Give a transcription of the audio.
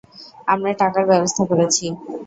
আমরা টাকার ব্যবস্থা করেছি।